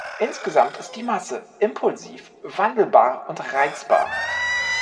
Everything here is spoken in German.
Insgesamt ist die Masse „impulsiv, wandelbar und reizbar.